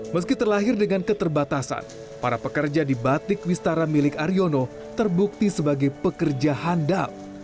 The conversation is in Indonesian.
meski terlahir dengan keterbatasan para pekerja di batik wistara milik aryono terbukti sebagai pekerja handal